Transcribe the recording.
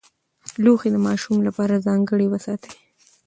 لوښي د ماشوم لپاره ځانګړي وساتئ.